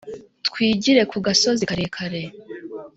twigire ku gasozi karekare